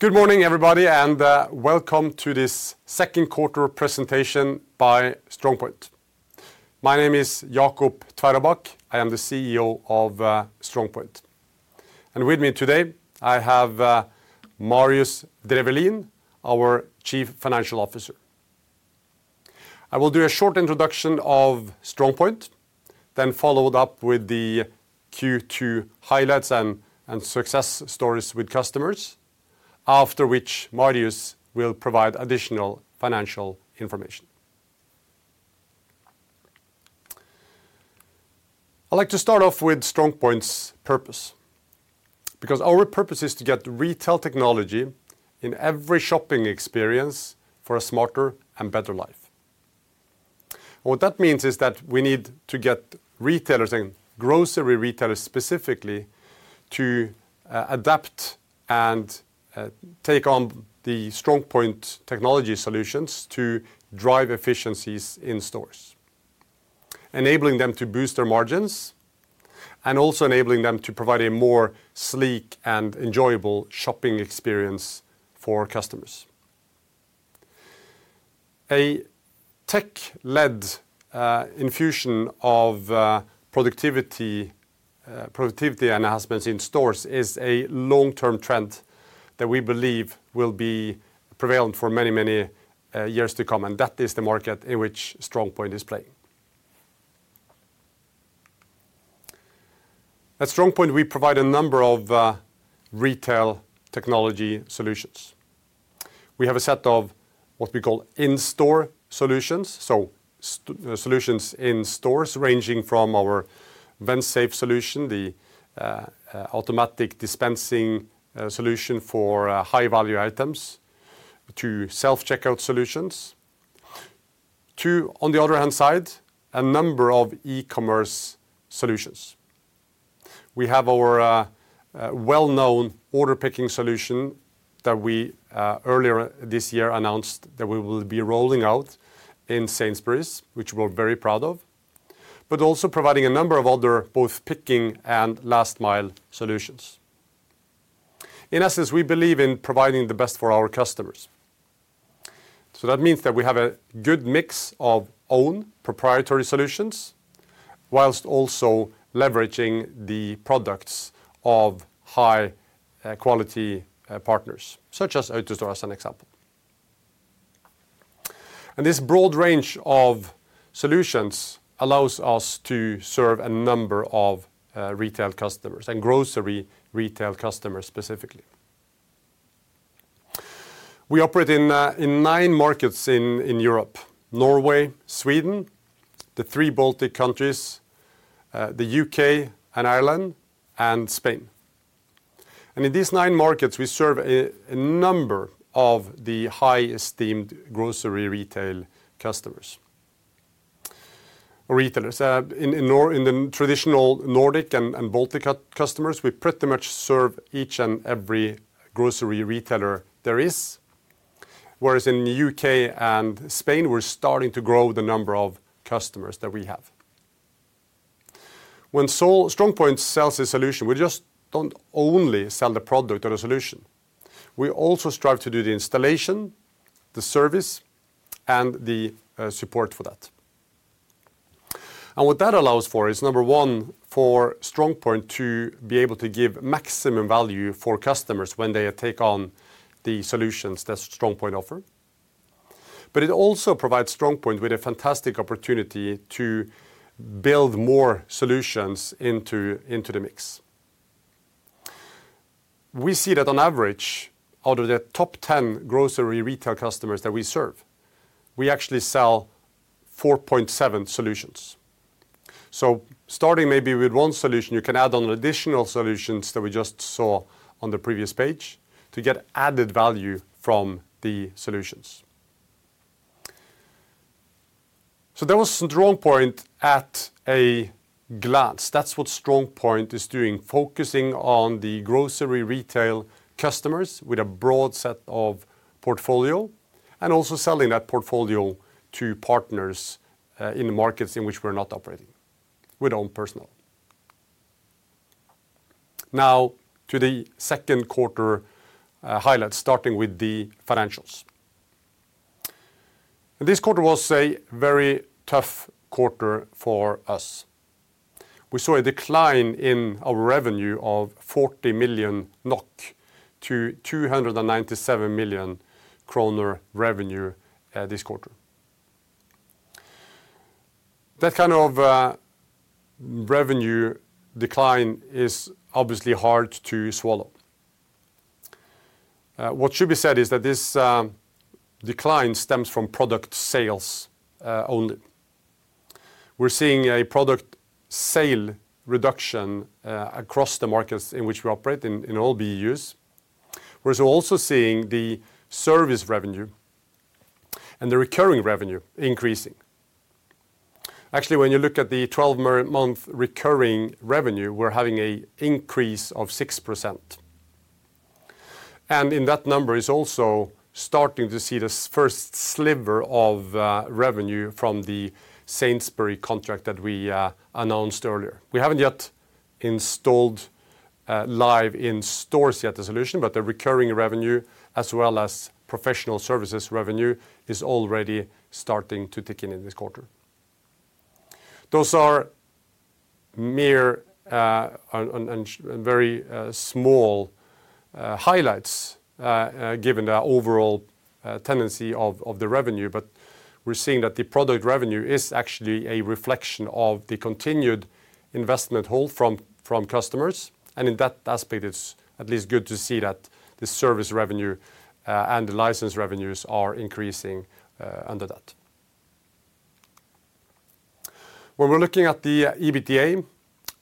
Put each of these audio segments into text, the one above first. Good morning, everybody, and welcome to this second quarter presentation by StrongPoint. My name is Jacob Tveraabak. I am the CEO of StrongPoint, and with me today, I have Marius Drefvelin, our Chief Financial Officer. I will do a short introduction of StrongPoint, then followed up with the Q2 highlights and success stories with customers, after which Marius will provide additional financial information. I'd like to start off with StrongPoint's purpose, because our purpose is to get retail technology in every shopping experience for a smarter and better life. What that means is that we need to get retailers and grocery retailers specifically, to adapt and take on the StrongPoint technology solutions to drive efficiencies in stores, enabling them to boost their margins, and also enabling them to provide a more sleek and enjoyable shopping experience for customers. A tech-led infusion of productivity enhancements in stores is a long-term trend that we believe will be prevalent for many, many years to come, and that is the market in which StrongPoint is playing. At StrongPoint, we provide a number of retail technology solutions. We have a set of what we call in-store solutions, so solutions in stores, ranging from our Vensafe solution, the automatic dispensing solution for high-value items to self-checkout solutions, to, on the other hand side, a number of e-commerce solutions. We have our well-known order picking solution that we earlier this year announced that we will be rolling out in Sainsbury's, which we're very proud of, but also providing a number of other both picking and last-mile solutions. In essence, we believe in providing the best for our customers. So that means that we have a good mix of own proprietary solutions, while also leveraging the products of high-quality partners, such as AutoStore, as an example. And this broad range of solutions allows us to serve a number of retail customers and grocery retail customers specifically. We operate in nine markets in Europe: Norway, Sweden, the three Baltic countries, the U.K. and Ireland, and Spain. And in these nine markets, we serve a number of the highly esteemed grocery retail customers, or retailers. In the traditional Nordic and Baltic customers, we pretty much serve each and every grocery retailer there is, whereas in the U.K. and Spain, we're starting to grow the number of customers that we have. When StrongPoint sells a solution, we just don't only sell the product or the solution, we also strive to do the installation, the service, and the support for that. And what that allows for is, number one, for StrongPoint to be able to give maximum value for customers when they take on the solutions that StrongPoint offer. But it also provides StrongPoint with a fantastic opportunity to build more solutions into the mix. We see that on average, out of the top 10 grocery retail customers that we serve, we actually sell 4.7 solutions. So starting maybe with one solution, you can add on additional solutions that we just saw on the previous page to get added value from the solutions. So that was StrongPoint at a glance. That's what StrongPoint is doing, focusing on the grocery retail customers with a broad set of portfolio, and also selling that portfolio to partners, in the markets in which we're not operating with own personnel. Now, to the second quarter highlights, starting with the financials. This quarter was a very tough quarter for us. We saw a decline in our revenue of 40 million NOK to 297 million kroner revenue this quarter. That kind of revenue decline is obviously hard to swallow. What should be said is that this decline stems from product sales only. We're seeing a product sale reduction across the markets in which we operate in, in all the BUs. We're also seeing the service revenue and the recurring revenue increasing. Actually, when you look at the twelve-month recurring revenue, we're having a increase of 6%, and in that number is also starting to see the first sliver of revenue from the Sainsbury's contract that we announced earlier. We haven't yet installed live in stores yet the solution, but the recurring revenue as well as professional services revenue is already starting to tick in in this quarter. Those are mere and very small highlights given the overall tendency of the revenue. But we're seeing that the product revenue is actually a reflection of the continued investment hold from customers, and in that aspect, it's at least good to see that the service revenue and the license revenues are increasing under that. When we're looking at the EBITDA,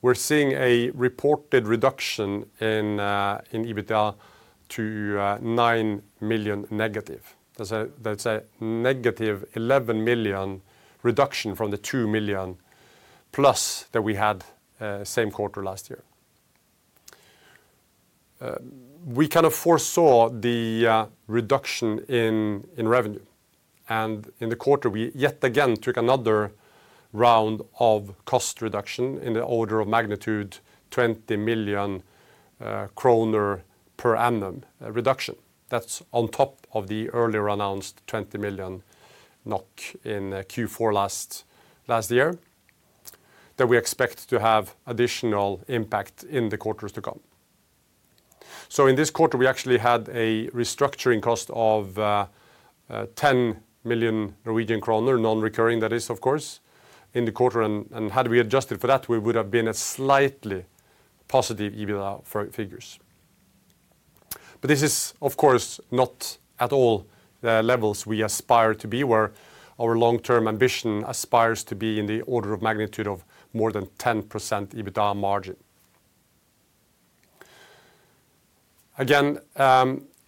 we're seeing a reported reduction in EBITDA to -9 million. That's a negative 11 million reduction from the 2 million plus that we had same quarter last year. We kind of foresaw the reduction in revenue, and in the quarter, we yet again took another round of cost reduction in the order of magnitude, 20 million kroner per annum reduction. That's on top of the earlier announced 20 million NOK in Q4 last year, that we expect to have additional impact in the quarters to come. So in this quarter, we actually had a restructuring cost of 10 million Norwegian kroner, non-recurring, that is, of course, in the quarter, and had we adjusted for that, we would have been a slightly positive EBITDA figures. But this is, of course, not at all the levels we aspire to be, where our long-term ambition aspires to be in the order of magnitude of more than 10% EBITDA margin. Again,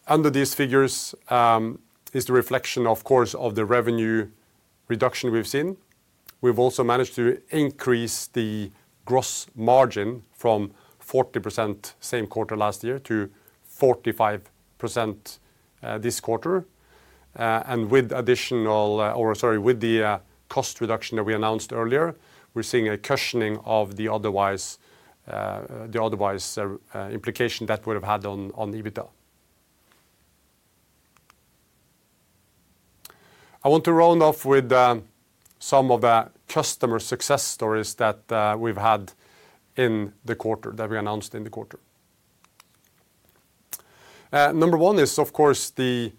under these figures, is the reflection, of course, of the revenue reduction we've seen. We've also managed to increase the gross margin from 40% same quarter last year to 45%, this quarter. And with additional, or sorry, with the cost reduction that we announced earlier, we're seeing a cushioning of the otherwise implication that would have had on EBITDA. I want to round off with some of the customer success stories that we've had in the quarter, that we announced in the quarter. Number one is, of course, the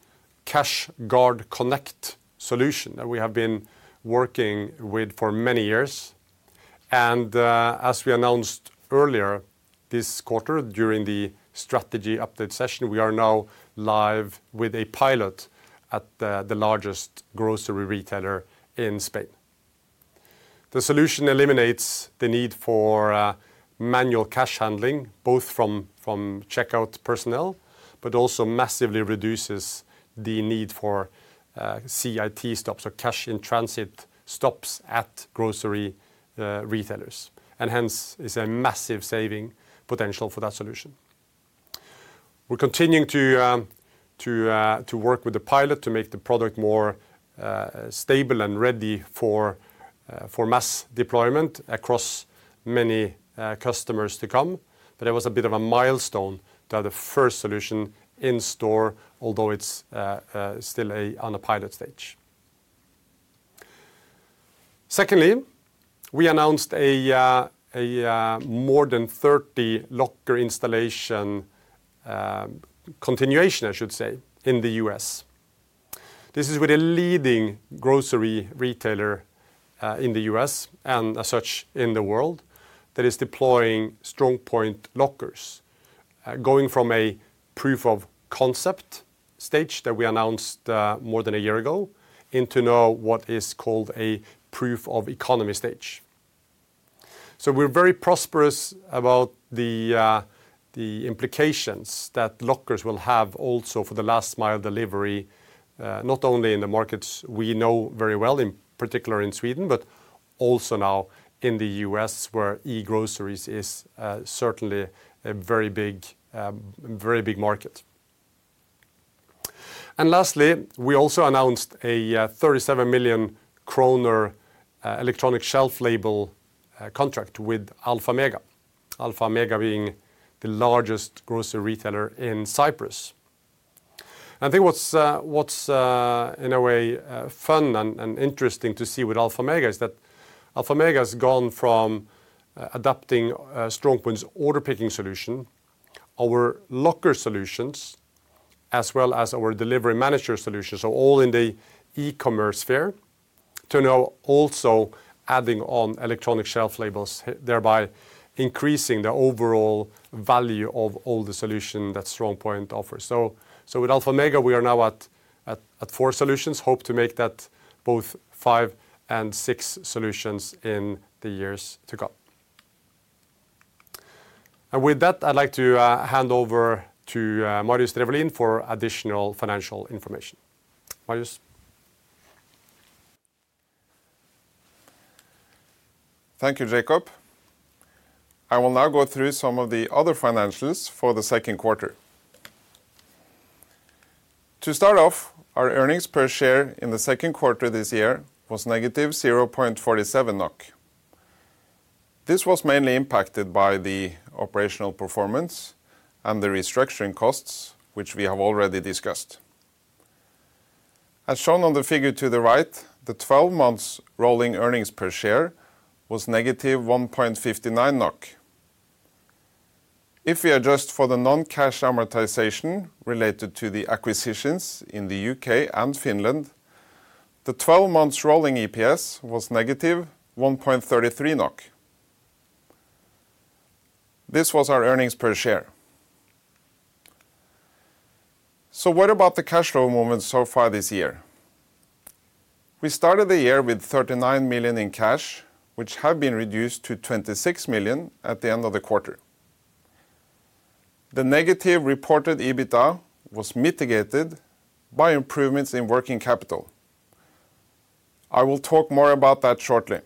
CashGuard Connect solution that we have been working with for many years. As we announced earlier this quarter during the strategy update session, we are now live with a pilot at the largest grocery retailer in Spain. The solution eliminates the need for manual cash handling, both from checkout personnel, but also massively reduces the need for CIT stops or cash in transit stops at grocery retailers, and hence, is a massive saving potential for that solution. We're continuing to work with the pilot to make the product more stable and ready for mass deployment across many customers to come. It was a bit of a milestone to have the first solution in store, although it's still on a pilot stage. Secondly, we announced a more than 30 locker installation continuation, I should say, in the U.S. This is with a leading grocery retailer in the U.S. and as such in the world, that is deploying StrongPoint lockers, going from a proof of concept stage that we announced more than a year ago, into now what is called a proof of economy stage. So we're very prosperous about the implications that lockers will have also for the last mile delivery, not only in the markets we know very well, in particular in Sweden, but also now in the U.S., where e-groceries is certainly a very big very big market. And lastly, we also announced a 37 million kroner electronic shelf label contract with Alphamega. Alphamega being the largest grocery retailer in Cyprus. I think what's in a way fun and interesting to see with Alphamega is that Alphamega has gone from adapting StrongPoint's order picking solution, our locker solutions, as well as our delivery manager solution, so all in the e-commerce sphere, to now also adding on electronic shelf labels, thereby increasing the overall value of all the solution that StrongPoint offers. So with Alphamega, we are now at four solutions. Hope to make that both five and six solutions in the years to come. And with that, I'd like to hand over to Marius Drefvelin for additional financial information. Marius? Thank you, Jacob. I will now go through some of the other financials for the second quarter. To start off, our earnings per share in the second quarter this year was negative 0.47 NOK. This was mainly impacted by the operational performance and the restructuring costs, which we have already discussed. As shown on the figure to the right, the 12 months rolling earnings per share was negative 1.59 NOK. If we adjust for the non-cash amortization related to the acquisitions in the U.K. and Finland, the 12 months rolling EPS was negative 1.33 NOK. This was our earnings per share. So what about the cash flow movement so far this year? We started the year with 39 million in cash, which have been reduced to 26 million at the end of the quarter. The negative reported EBITDA was mitigated by improvements in working capital. I will talk more about that shortly.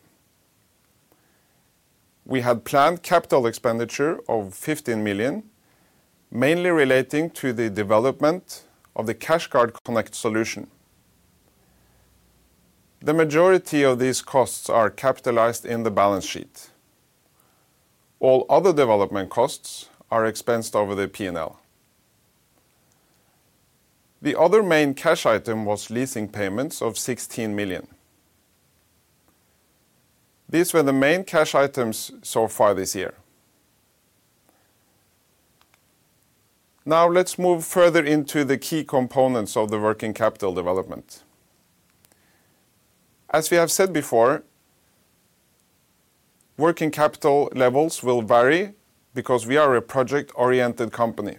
We had planned capital expenditure of 15 million, mainly relating to the development of the CashGuard Connect solution. The majority of these costs are capitalized in the balance sheet. All other development costs are expensed over the P&L. The other main cash item was leasing payments of 16 million. These were the main cash items so far this year. Now, let's move further into the key components of the working capital development. As we have said before, working capital levels will vary because we are a project-oriented company.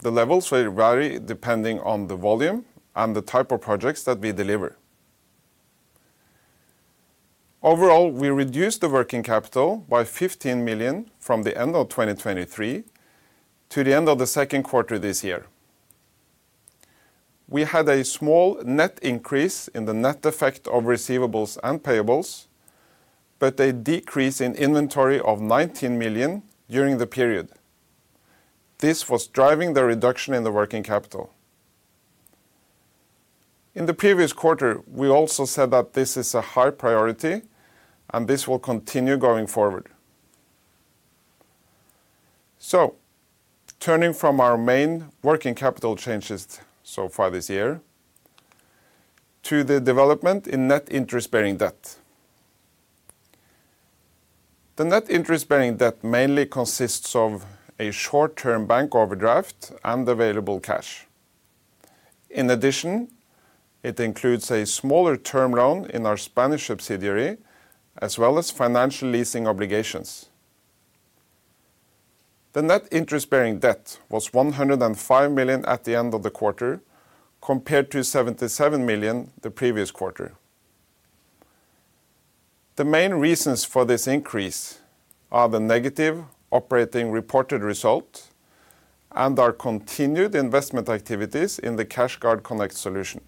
The levels will vary depending on the volume and the type of projects that we deliver. Overall, we reduced the working capital by 15 million from the end of 2023 to the end of the second quarter this year. We had a small net increase in the net effect of receivables and payables, but a decrease in inventory of 19 million during the period. This was driving the reduction in the Working Capital. In the previous quarter, we also said that this is a high priority, and this will continue going forward. So turning from our main Working Capital changes so far this year to the development in net interest-bearing debt. The net interest-bearing debt mainly consists of a short-term bank overdraft and available cash. In addition, it includes a smaller term loan in our Spanish subsidiary, as well as financial leasing obligations. The net interest-bearing debt was 105 million at the end of the quarter, compared to 77 million the previous quarter. The main reasons for this increase are the negative operating reported result and our continued investment activities in the CashGuard Connect solution.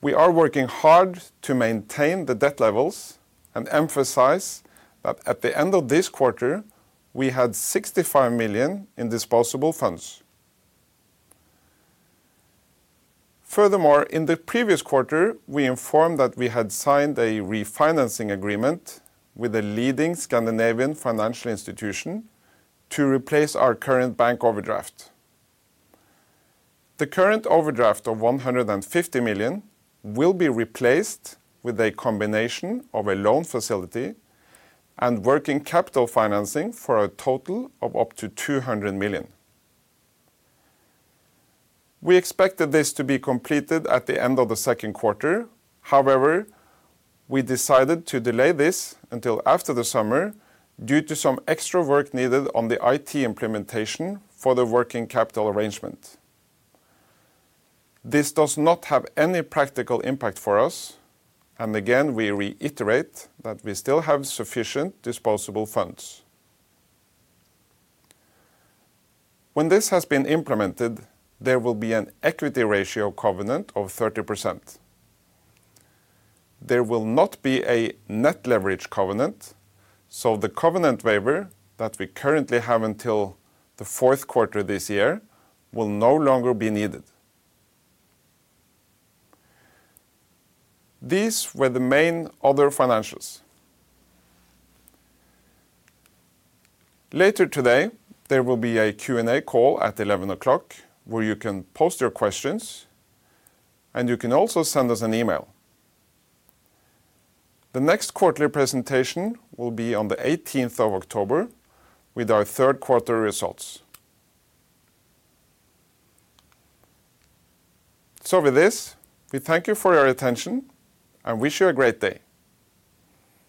We are working hard to maintain the debt levels and emphasize that at the end of this quarter, we had 65 million in disposable funds. Furthermore, in the previous quarter, we informed that we had signed a refinancing agreement with a leading Scandinavian financial institution to replace our current bank overdraft. The current overdraft of 150 million will be replaced with a combination of a loan facility and working capital financing for a total of up to 200 million. We expected this to be completed at the end of the second quarter. However, we decided to delay this until after the summer due to some extra work needed on the IT implementation for the working capital arrangement. This does not have any practical impact for us, and again, we reiterate that we still have sufficient disposable funds. When this has been implemented, there will be an equity ratio covenant of 30%. There will not be a net leverage covenant, so the covenant waiver that we currently have until the fourth quarter this year will no longer be needed. These were the main other financials. Later today, there will be a Q&A call at 11:00 A.M., where you can post your questions, and you can also send us an email. The next quarterly presentation will be on the 18th of October with our third quarter results. With this, we thank you for your attention and wish you a great day!